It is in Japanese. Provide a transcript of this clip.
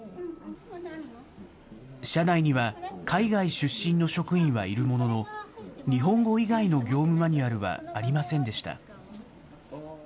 社内には海外出身の職員はいるものの、日本語以外の業務マニュアルはありませんでした。